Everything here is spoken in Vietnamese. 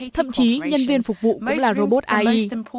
thậm chí nhân viên phục vụ cũng là robot ai